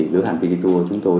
lượng hành vi đi tour của chúng tôi